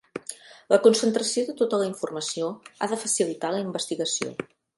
La concentració de tota la informació ha de facilitar la investigació.